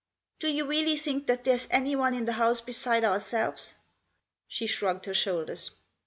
"Do you really think that there's anyone in the house beside ourselves ?" She shrugged her shoulders.